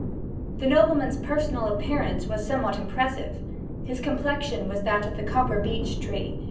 This nobleman's personal appearance was somewhat impressive. His complexion was that of the copper beech tree.